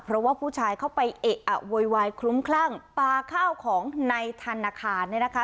เพราะว่าผู้ชายเข้าไปเอะอะโวยวายคลุ้มคลั่งปลาข้าวของในธนาคารเนี่ยนะคะ